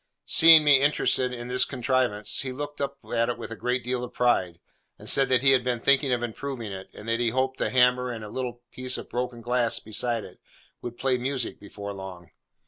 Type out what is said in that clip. Seeing me interested in this contrivance, he looked up at it with a great deal of pride, and said that he had been thinking of improving it, and that he hoped the hammer and a little piece of broken glass beside it 'would play music before long.